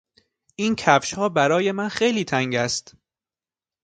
این کفشها برای من خیلی تنگ است.